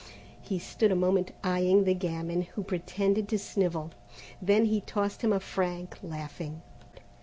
He stood a moment eyeing the gamin, who pretended to snivel. Then he tossed him a franc, laughing.